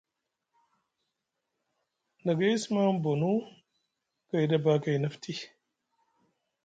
Nagay e simi aŋ bonu gayɗi abakayni afti.